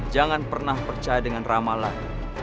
jangan pernah percaya dengan ramalan